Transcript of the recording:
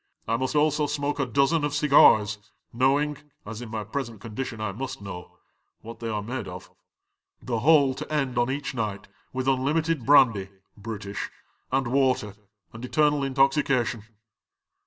I must also smoke a dozen of cigars, knowing — as in my present condi tion I must know, — what they are made of The whole to end on each night with unlimited brandy (British) and water, and eternal intoxi cation.